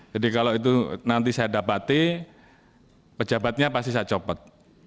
jadi kalau itu nanti saya dapati pejabatnya pasti saya copot